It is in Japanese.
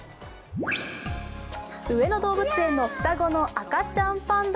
上野動物園の双子の赤ちゃんパンダ。